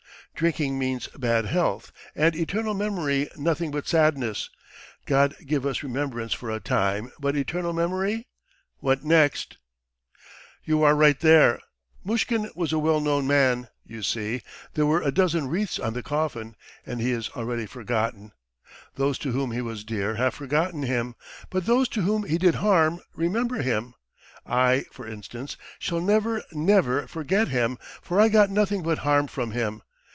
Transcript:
"Drinking means bad health, and eternal memory nothing but sadness. God give us remembrance for a time, but eternal memory what next!" "You are right there. Mushkin was a well known man, you see; there were a dozen wreaths on the coffin, and he is already forgotten. Those to whom he was dear have forgotten him, but those to whom he did harm remember him. I, for instance, shall never, never forget him, for I got nothing but harm from him.